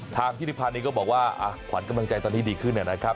ทางธิริพันธ์ก็บอกว่าขวัญกำลังใจตอนนี้ดีขึ้นนะครับ